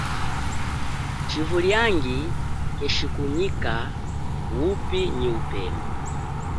Tshivuliangi keshikunyika wupi nyi upeme.